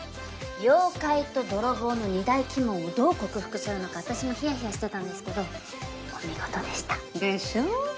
妖怪と泥棒の二大鬼門をどう克服するのか私もヒヤヒヤしてたんですけどお見事でした。でしょう？